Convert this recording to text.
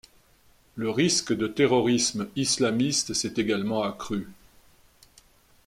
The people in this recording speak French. Le risque de terrorisme islamiste s'est également accru.